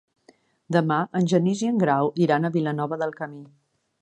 Demà en Genís i en Grau iran a Vilanova del Camí.